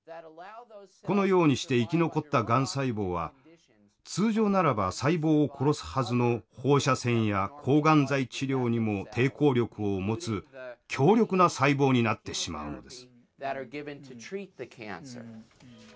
このようにして生き残ったがん細胞は通常ならば細胞を殺すはずの放射線や抗がん剤治療にも抵抗力を持つ強力な細胞になってしまうのです。